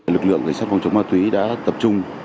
lực lượng cảnh sát phòng chống ma túy đã tập trung